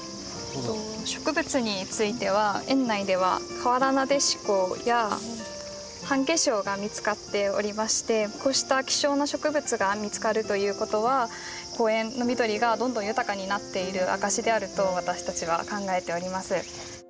植物については園内ではカワラナデシコやハンゲショウが見つかっておりましてこうした希少な植物が見つかるということは公園の緑がどんどん豊かになっている証しであると私たちは考えております。